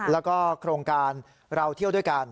แล้วก็โครงการเราเที่ยวด้วยกัน